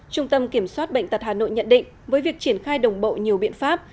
trung tâm kiểm soát bệnh tật hà nội nhận định với việc triển khai đồng bộ nhiều biện pháp